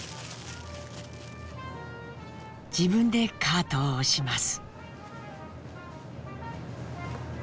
自分でカートを押します。